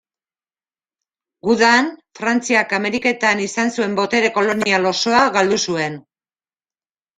Gudan, Frantziak Ameriketan izan zuen botere kolonial osoa galdu zuen.